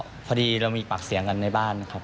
พอดีเรามีปากเสียงกันในบ้านนะครับ